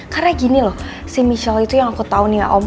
karena gini loh si michelle itu yang aku tau nih ya om